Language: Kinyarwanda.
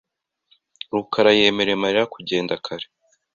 rukara yemereye Mariya kugenda kare .